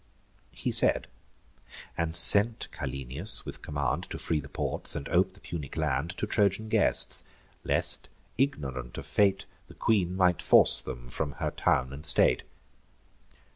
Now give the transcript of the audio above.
He said, and sent Cyllenius with command To free the ports, and ope the Punic land To Trojan guests; lest, ignorant of fate, The queen might force them from her town and state.